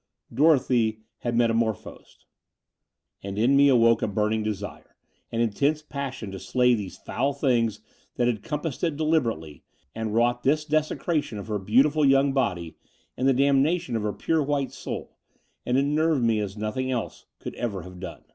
Dorothy had metamorphosed. And in me awoke a burning desire, an intense passion to slay these foul things that had com passed it deliberately and wrought this desecraticm of her beautiful young body and the damnation of her pure white soul : and it nerved me as nothing else could ever have done.